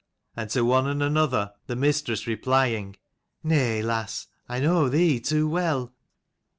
and to one and another the mistress replying "Nay, lass; I know thee too well."